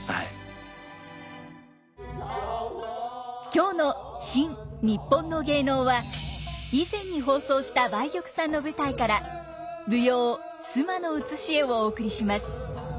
今日の「新・にっぽんの芸能」は以前に放送した梅玉さんの舞台から舞踊「須磨の写絵」をお送りします。